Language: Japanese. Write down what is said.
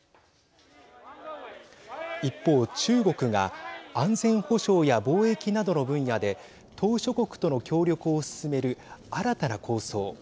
一方、中国が安全保障や貿易などの分野で島しょ国との協力を進める新たな構想。